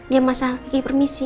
ya mas al gigi permisi